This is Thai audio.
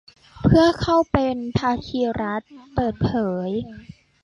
เพื่อเข้าเป็นภาคีรัฐเปิดเผย